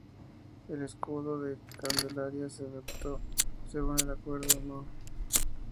El Escudo de Candelaria se adoptó según acuerdo No.